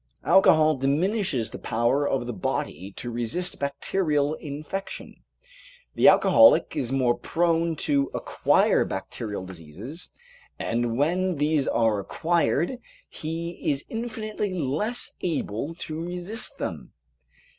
Alcohol diminishes the power of the body to resist bacterial infection. The alcoholic is more prone to acquire bacterial diseases, and when these are acquired he is infinitely less able to resist them.